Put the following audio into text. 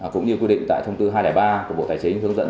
cũng như quy định tại thông tư hai trăm linh ba của bộ tài chính hướng dẫn